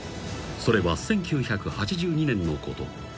［それは１９８２年のこと］